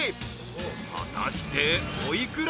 ［果たしてお幾ら？］